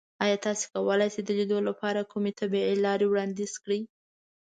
ایا تاسو کولی شئ د لیدو لپاره کومې طبیعي لارې وړاندیز کړئ؟